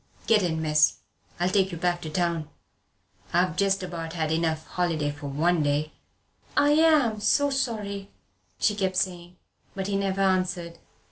Get in, miss. I'll take you back to the town. I've just about had enough holiday for one day." "I am so sorry," she kept saying. But he never answered.